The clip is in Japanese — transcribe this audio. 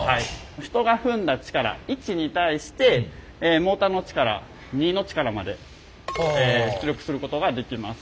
人が踏んだ力１に対してモーターの力２の力まで出力することができます。